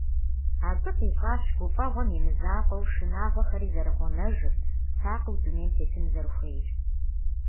Абы къищӀащ гуфӀэгъуэм и мызакъуэу шынагъуэхэри зэрыгъунэжыр, сакъыу дунейм тетын зэрыхуейр.